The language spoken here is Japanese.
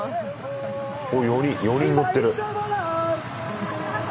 おっ４人乗ってる。